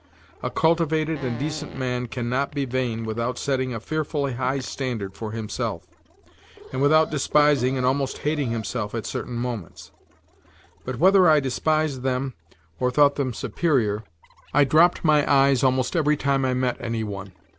A cultivated and decent man cannot be vain without setting a fearfully high standard for himself, and without despising and almost hating himself at certain moments. But whether 83 I despised them or thought them superior I dropped my eyes almost every time I met any one.